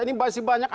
ini masih banyak